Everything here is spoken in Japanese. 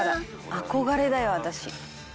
憧れだよ私。